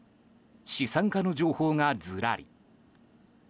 資産家の情報がずらり。